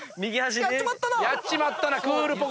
やっちまったなクールポコ。